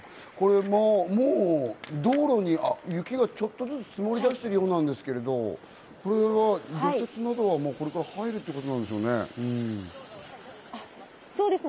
もう道路に雪がちょっとずつ積もりだしているようなんですけど、これは除雪などは入るんですかね？